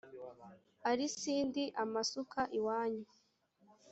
ari sindi amasuka iwanyu